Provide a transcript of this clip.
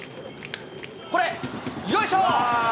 これ、よいしょ！